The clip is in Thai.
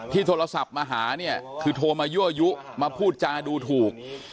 โทรศัพท์มาหาเนี่ยคือโทรมายั่วยุมาพูดจาดูถูก